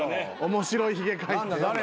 面白いひげ描いて。